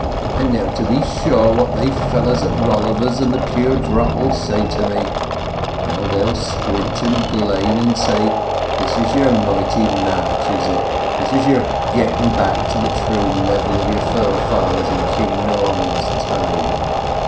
And now to be sure what they fellers at Rolliver's and The Pure Drop will say to me! How they'll squint and glane, and say, 'This is yer mighty match is it; this is yer getting back to the true level of yer forefathers in King Norman's time!